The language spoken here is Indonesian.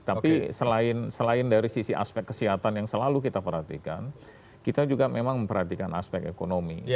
tapi selain dari sisi aspek kesehatan yang selalu kita perhatikan kita juga memang memperhatikan aspek ekonomi